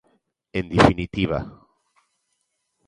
En definitiva...